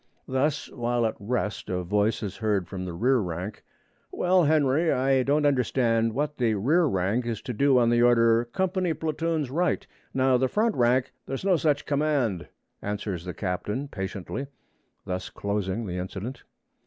Thus, while at rest, a voice is heard from the rear rank: 'Well, Henry, I don't understand what the rear rank is to do on the order, "Company platoons right." Now the front rank ' 'There's no such command,' answers the captain patiently, thus closing the incident.